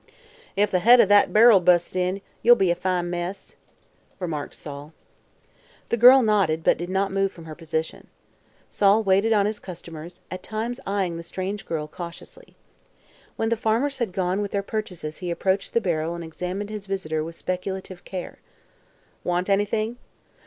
"If the head o' thet bar'l busts in, you'll be a fine mess," remarked Sol. The girl nodded but did not move from her position. Sol waited on his customers, at times eyeing the strange girl curiously. When the farmers had gone with their purchases he approached the barrel and examined his visitor with speculative care. "Want anything?"